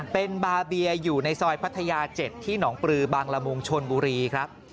เป็นบาเบียอยู่ในซอยพัทยา๗ที่หนองปลือบางละมุงชนบุรีครับ